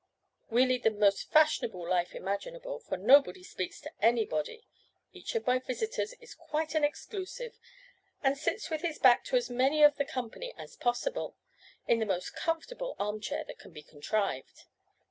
We lead the most fashionable life imaginable, for nobody speaks to anybody. Each of my visitors is quite an exclusive, and sits with his back to as many of the company as possible, in the most comfortable arm chair that can be contrived.